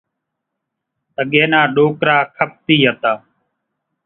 اڳيَ نا ڏوڪرا کپتِي هتا۔